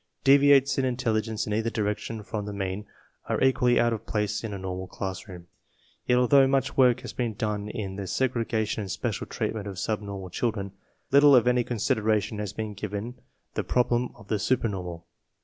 Deviates in intelligence in either direction from the mean are equally out of place in a normal classroom; yet, although much work has been done in the segrega tion and special treatment of subnormal children, little if any consideration has been given the problem of the supernormal.